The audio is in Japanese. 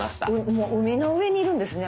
もう海の上にいるんですね